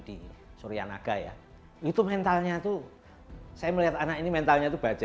di suryanaga ya itu mentalnya tuh saya melihat anak ini mentalnya itu baja